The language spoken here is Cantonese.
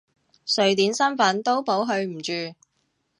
瑞典身份都保佢唔住！